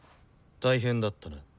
大変だったな。